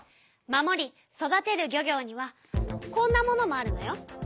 「守り育てる漁業」にはこんなものもあるのよ。